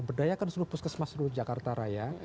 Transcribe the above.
berdayakan puskesmas dulu jakarta raya